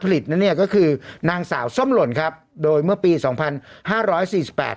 นั้นเนี่ยก็คือนางสาวส้มหล่นครับโดยเมื่อปีสองพันห้าร้อยสี่สิบแปด